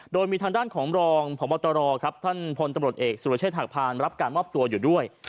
โดยมีทางด้านของรองพมตรท่านพตำรวจเอกสทมารับการวับตัวอยู่ด้วย